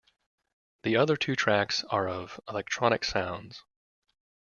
The other two tracks are of electronic sounds.